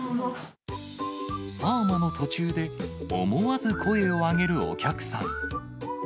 パーマの途中で、思わず声を上げるお客さん。